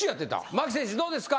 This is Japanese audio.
牧選手どうですか？